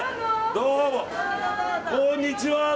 どうも、こんにちは。